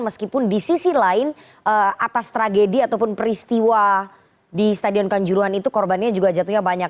meskipun di sisi lain atas tragedi ataupun peristiwa di stadion kanjuruan itu korbannya juga jatuhnya banyak